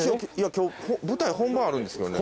今日舞台本番あるんですけどね。